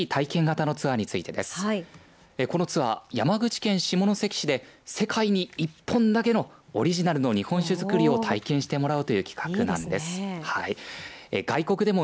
このツアー、山口県下関市で世界に１本だけのオリジナルの日本酒造りを体験してもらおうという企画なんです。